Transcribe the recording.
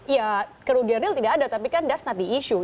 ya kerugian real tidak ada tapi kan that's not the issue